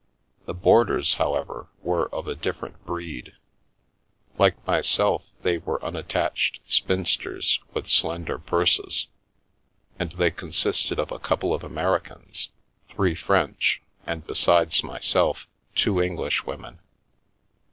The boarders, however, were of a different breed. Like my self, they were unattached spinsters with slender purses, and they consisted of a couple of Americans, three French, and, besides myself, two English women.